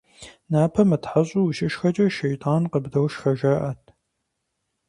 Напэ мытхьэщӀу ущышхэкӏэ, щейтӀан къыбдошхэ, жаӀэрт.